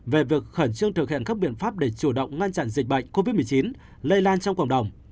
về việc khẩn trương thực hiện các biện pháp để chủ động ngăn chặn dịch bệnh covid một mươi chín lây lan trong cộng đồng